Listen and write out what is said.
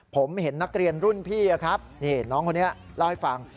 ผมเห็นนักเรียนรุ่นพี่ครับนี่น้องคนนี้เล่าให้ฟัง